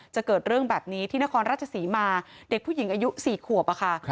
เกิดเรื่องแบบนี้ที่นครราชศรีมาเด็กผู้หญิงอายุ๔ขวบอะค่ะ